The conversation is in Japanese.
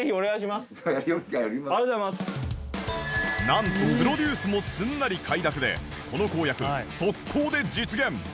なんとプロデュースもすんなり快諾でこの公約即行で実現！